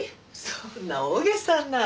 そんな大げさな。